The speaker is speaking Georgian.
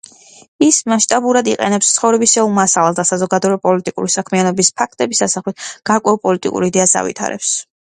ის მასშტაბურად იყენებს ცხოვრებისეულ მასალას და საზოგადოებრივ-პოლიტიკური საქმიანობის ფაქტების ასახვით გარკვეულ პოლიტიკურ იდეას ავითარებს.